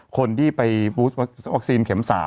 คนที่ไปบูสวัคซีนเข็ม๓